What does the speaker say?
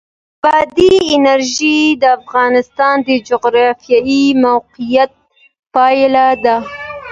بادي انرژي د افغانستان د جغرافیایي موقیعت پایله ده.